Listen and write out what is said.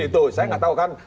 itu saya gak tau kan